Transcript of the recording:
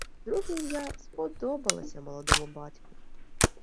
Друге ім'я сподобалося молодому батьку.